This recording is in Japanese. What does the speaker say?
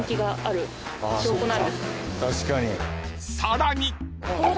［さらに］